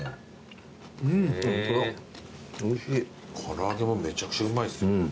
唐揚げもめちゃくちゃうまいですよ。